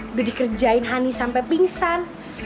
udah dikerjain honey sampai pingsan